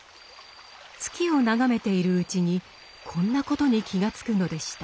月を眺めているうちにこんなことに気が付くのでした。